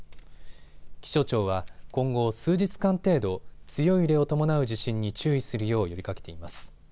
気象庁は今後、数日間程度強い揺れを伴う地震に注意するよう呼びかけています。